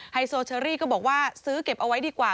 ไฮโซเชอรี่ก็บอกว่าซื้อเก็บเอาไว้ดีกว่า